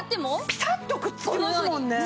ピタッとくっつきますもんね。